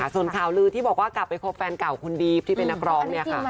ส่วนข่าวลือที่บอกว่ากลับไปคบแฟนเก่าคุณบีฟที่เป็นนักร้องเนี่ยค่ะ